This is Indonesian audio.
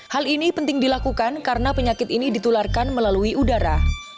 hal ini penting dilakukan karena penyakit ini ditularkan melalui udara